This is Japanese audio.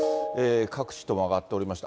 各地とも上がっております。